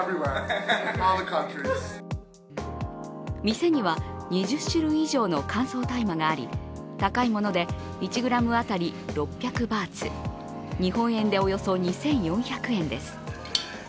店には２０種類以上の乾燥大麻があり、高いもので１ｇ当たり６００バーツ、日本円でおよそ２４００円です。